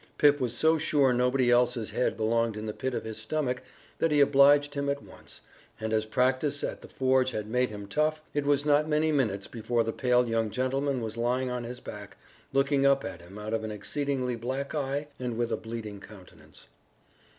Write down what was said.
Pip was so sure nobody else's head belonged in the pit of his stomach that he obliged him at once, and as practice at the forge had made him tough, it was not many minutes before the pale young gentleman was lying on his back, looking up at him out of an exceedingly black eye and with a bleeding countenance.